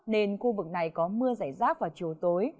nên khu vực này có mưa giải rác vào chiều tối